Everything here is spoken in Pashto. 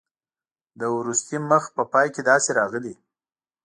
د وروستي مخ په پای کې داسې راغلي.